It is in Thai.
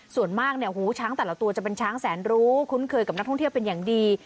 ส่วนมากเนี่ยหูช้างแต่ละตัวจะเป็นช้างแสนรู้คุ้นเคยกับนักท่องเที่ยวเป็นอย่างดี